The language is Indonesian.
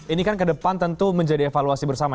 ini kan ke depan tentu menjadi evaluasi bersama